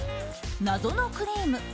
謎のクリーム。